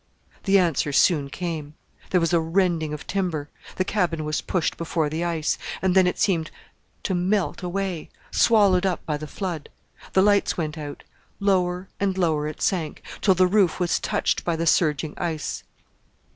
The answer soon came. There was a rending of timber; the cabin was pushed before the ice; and then it seemed to melt away, swallowed up by the flood. The lights went out. Lower and lower it sank, till the roof was touched by the surging ice.